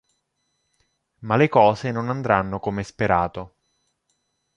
Ma le cose non andranno come sperato.